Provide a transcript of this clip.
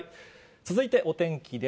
続いてお天気です。